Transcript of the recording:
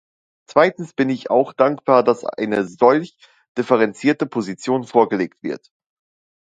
Zweitens bin ich auch dankbar, dass eine solch differenzierte Position vorgelegt wird.